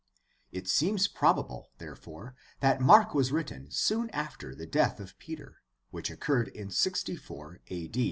It seems probable, therefore, that Mark was written soon after the death of Peter, which occurred in 64 a.